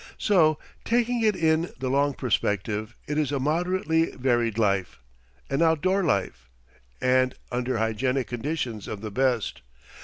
So, taking it in the long perspective, it is a moderately varied life, an outdoor life, and under hygienic conditions of the best.